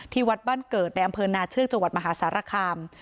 วัดบ้านเกิดในอำเภอนาเชือกจังหวัดมหาสารคาม